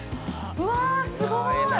◆うわぁ、すごい。